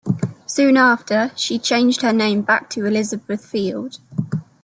Soon after she changed her name back to Elizabeth Field.